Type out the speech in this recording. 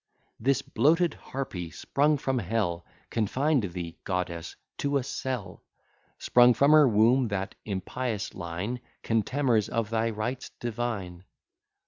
This bloated harpy, sprung from hell, Confined thee, goddess, to a cell: Sprung from her womb that impious line, Contemners of thy rites divine.